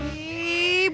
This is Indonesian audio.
ah mar canadian